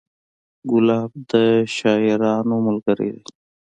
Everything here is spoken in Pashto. ګلاب د شاعرانو ملګری دی.